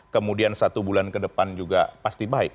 kemudian satu bulan ke depan juga pasti baik